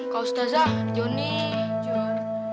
kak ustazah jonny jor